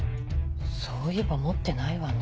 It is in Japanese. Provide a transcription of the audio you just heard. そういえば持ってないわね。